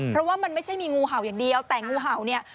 เพราะว่ามันไม่ใช่มีงูเห่าอย่างเดียวแต่งูเห่าเนี่ย